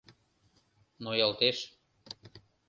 — Ноялтеш...